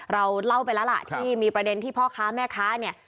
เราเล่าไปแล้วล่ะที่มีประเด็นที่พ่อค้าแม่ค้าเนี่ย